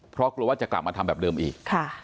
เพราะกลัวว่าจะกลับมาทำแบบเดิมอีก